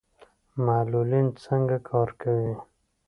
معلولین څنګه کار کوي؟